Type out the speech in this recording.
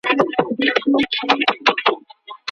هسک دي.